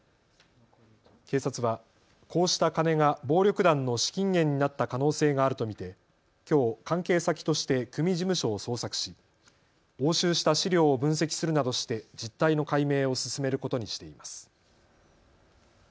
警察はこうした金が暴力団の資金源になった可能性があると見てきょう関係先として組事務所を捜索し押収した資料を分析するなどして実態の解明を進めることにしています。